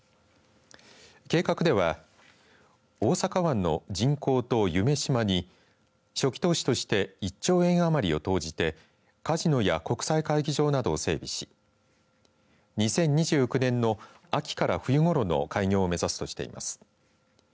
計画では大阪湾の人工島、夢洲に初期投資として１兆円余りを投じてカジノや国際会議場などを整備し２０２９年の秋から冬ごろの開業を目指すとしています。